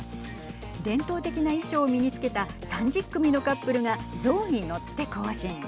伝統的な衣装を身につけた３０組のカップルが象に乗って行進。